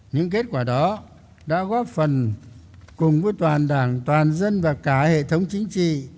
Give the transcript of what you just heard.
những kết quả đó đã góp phần cùng với toàn đảng toàn dân và cả hệ thống chính trị